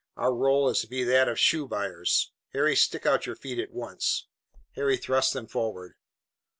Our role is to be that of shoe buyers. Harry, stick out your feet at once!" Harry thrust them forward.